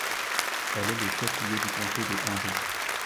Elle est le chef-lieu du comté de Henry.